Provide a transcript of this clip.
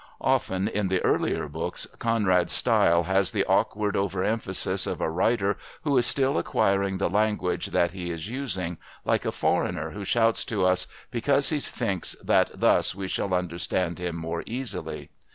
Often, in the earlier books, Conrad's style has the awkward over emphasis of a writer who is still acquiring the language that he is using, like a foreigner who shouts to us because he thinks that thus we shall understand him more easily.